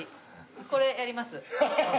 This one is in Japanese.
これやります。